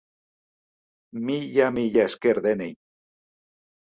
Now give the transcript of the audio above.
Mila mila esker denei!